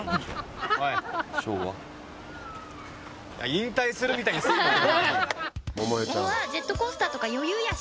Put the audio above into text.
引退するみたいにすんなよ。